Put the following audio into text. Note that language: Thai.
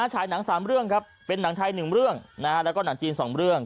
ฉายหนัง๓เรื่องครับเป็นหนังไทย๑เรื่องแล้วก็หนังจีน๒เรื่อง